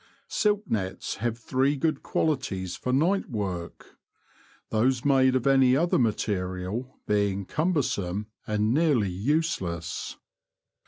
Silk nets have three good qualities for night work, those made of any other material being cumbersome and nearly useless.